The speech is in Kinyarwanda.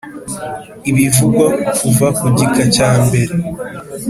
Ibivugwa kuva ku gika cya mbere